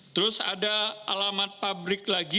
terus ada alamat pabrik lagi